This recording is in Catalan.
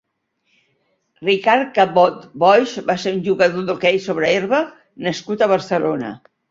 Ricard Cabot Boix va ser un jugador d'hoquei sobre herba nascut a Barcelona.